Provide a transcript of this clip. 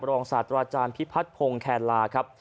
ศาสตราจารย์พิพัฒน์พงศ์แคนลาครับ